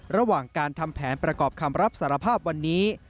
ระหว่างการทำแผนประกอบคำรับสารภาพวันนี้